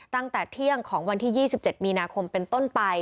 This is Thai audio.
ตั้งแต่เที่ยงของวันที่๒๗มีนาคมเป็นต้นไป